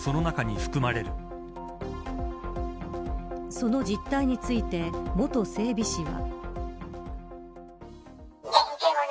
その実態について元整備士は。